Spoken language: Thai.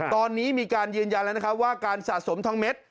ตอนนี้มีการยืนยันแล้วนะครับว่าการสะสมทองเม็ด